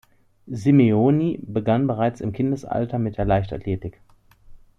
Simeoni begann bereits im Kindesalter mit der Leichtathletik.